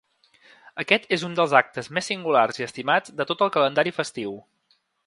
Aquest és un dels actes més singulars i estimats de tot el calendari festiu.